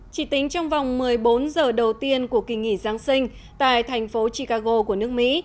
chỉ tính trong vòng một mươi bốn giờ đầu tiên của kỳ nghỉ giáng sinh tại thành phố chicago của nước mỹ